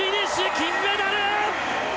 金メダル！